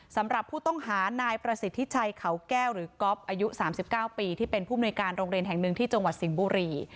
สำหรับผู้ต้องหานายประสิทธิชัยเขาแก้วหรือก๊อฟอายุ๓๙ปีที่เป็นผู้มนุยการโรงเรียนแห่งหนึ่งที่จังหวัดสิงห์บุรี